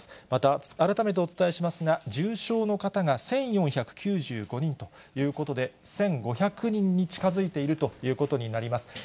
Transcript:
また改めてお伝えしますが、重症の方が１４９５人ということで、１５００人に近づいているということになります。